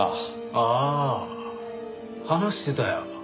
ああ話してたよ。